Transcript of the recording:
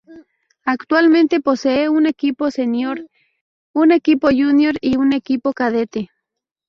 Actualmente posee un equipo senior, un equipo junior y un equipo cadete.